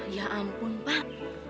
ya ampun pak